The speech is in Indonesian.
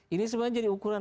ini sebenarnya jadi ukuran